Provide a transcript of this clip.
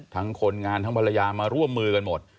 คนงานทั้งภรรยามาร่วมมือกันหมด